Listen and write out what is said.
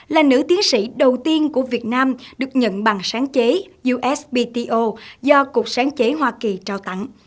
là nữ tiến sĩ đầu tiên của việt nam được nhận bằng sáng chế usbto do cục sáng chế hoa kỳ trao tặng